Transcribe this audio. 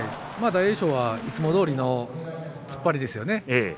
大栄翔はいつもどおりの突っ張りですよね。